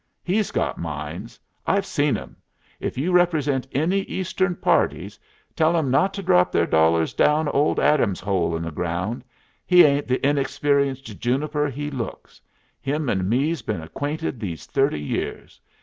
He's got mines. I've seen 'em. If you represent any Eastern parties, tell 'em not to drop their dollars down old Adams's hole in the ground. He ain't the inexperienced juniper he looks. Him and me's been acquainted these thirty years.